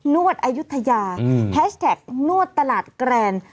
วดอายุทยาแฮชแท็กนวดตลาดแกรน